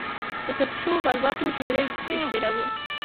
د ثبت شوو مالوماتو شمېر بې شمېره و.